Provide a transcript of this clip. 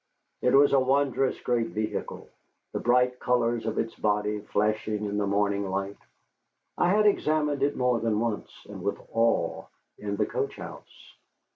It was a wondrous great vehicle, the bright colors of its body flashing in the morning light. I had examined it more than once, and with awe, in the coach house.